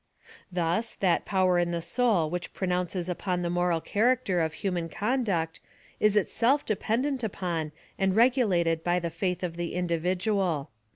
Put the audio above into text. Thus, that power in the soul which pro nounces upon the moral character of human con duct, is itself dependent upon, and regulated by the faith of the individual.